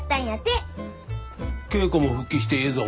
稽古も復帰してええぞ。